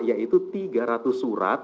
yaitu tiga ratus surat